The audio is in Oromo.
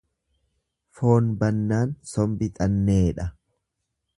Foon bannaan sombi xanneedha.